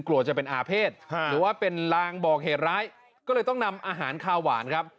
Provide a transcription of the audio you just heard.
กลัวจะเป็นอาเภษหรือว่าเป็นลางบอกเหตุร้ายก็เลยต้องนำอาหารคาหวานครับ